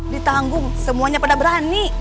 ditanggung semuanya pada berani